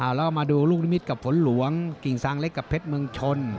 แล้วมาดูลูกนิมิตกับฝนหลวงกิ่งซางเล็กกับเพชรเมืองชน